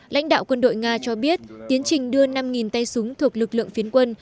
lãnh đạo quân đội nga cho biết tiến trình đưa năm tay súng thuộc lực lượng phiến quân